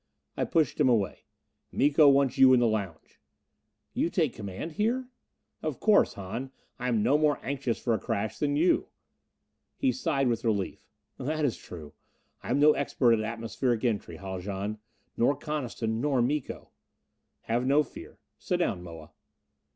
I pushed him away. "Miko wants you in the lounge." "You take command here?" "Of course, Hahn. I am no more anxious for a crash than you." He sighed with relief. "That is true. I am no expert at atmospheric entry, Haljan nor Coniston, nor Miko." "Have no fear. Sit down, Moa."